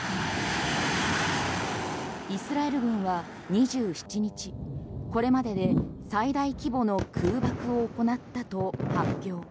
イスラエル軍は２７日これまでで最大規模の空爆を行ったと発表。